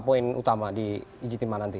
poin utama di ijitima nanti